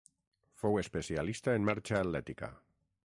Fou especialista en marxa atlètica.